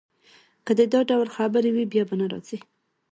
که دي دا ډول خبرې وې، بیا به نه راځې.